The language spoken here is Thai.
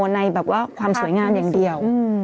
ในแบบว่าความสวยงามอย่างเดียว